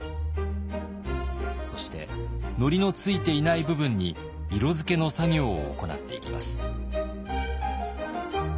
そしてのりのついていない部分に色付けの作業を行っていきます。